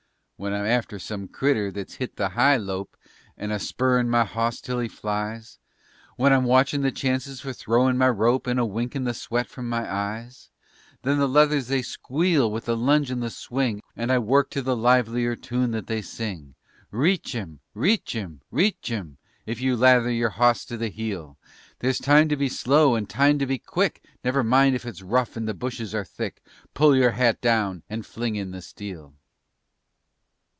_" When I'm after some critter that's hit the high lope, And a spurrin' my hawse till he flies, When I'm watchin' the chances for throwin' my rope And a winkin' the sweat from my eyes, Then the leathers they squeal with the lunge and the swing And I work to the livelier tune that they sing: "Reach 'im! reach 'im! reach 'im! If you lather your hawse to the heel! There's a time to be slow and a time to be quick; _Never mind if it's rough and the bushes are thick _ _Pull your hat down and fling in the steel!